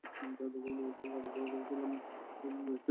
যাদেরকে আমি নূহের সঙ্গে আরোহণ করিয়েছিলাম, সে তো ছিল পরম কৃতজ্ঞ বান্দা।